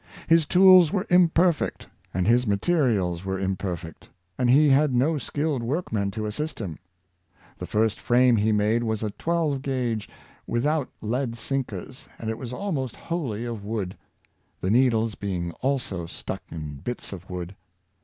His tools were imperfect, and his materials were imperfect; and he had no skilled workmen to assist him. The first frame he made was a twelve guage, without lead sinkers , and it was almost wholly of wood ; the needles being also stuck in bits of wood.